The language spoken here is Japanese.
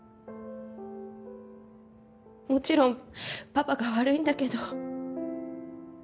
もちろんパパが悪いんだけど。